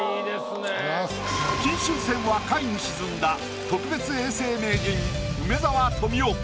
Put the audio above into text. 金秋戦は下位に沈んだ特別永世名人梅沢富美男